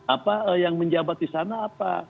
apa yang menjabat di sana apa